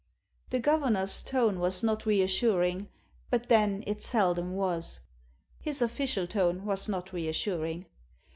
The governor's tone was not reassuring — but then it seldom was. His official tone was not reassuring.